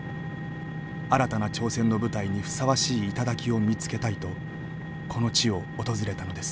新たな挑戦の舞台にふさわしい頂を見つけたいとこの地を訪れたのです。